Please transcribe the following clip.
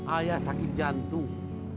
ayah sakit jantung